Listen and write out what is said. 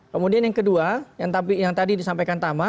kemudian yang kedua yang tadi disampaikan tama